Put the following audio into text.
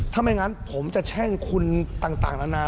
ถ้าไม่งั้นผมจะแช่งคุณต่างนานา